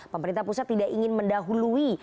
pemerintah pusat tidak ingin mendahului